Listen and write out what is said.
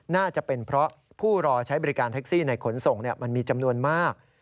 น่าจะเป็นเพราะผู้รอใช้บริการแท็กซี่ในขนส่งมันมีจำนวนมาก